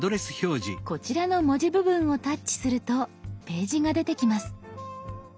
こちらの文字部分をタッチするとページが出てきます。